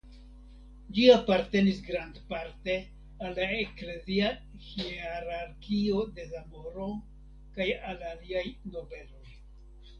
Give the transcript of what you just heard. Ĝi apartenis grandparte al la eklezia hierarkio de Zamoro kaj al aliaj nobeloj.